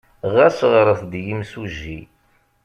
Ɣas ɣret-d i yemsujji.